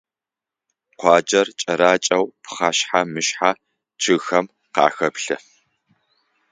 Къуаджэр кӀэракӀэу пхъэшъхьэ-мышъхьэ чъыгхэм къахэплъы.